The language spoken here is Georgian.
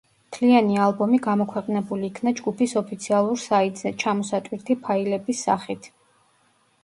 მთლიანი ალბომი გამოქვეყნებული იქნა ჯგუფის ოფიციალურ საიტზე, ჩამოსატვირთი ფაილების სახით.